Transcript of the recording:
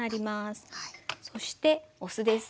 そしてお酢です。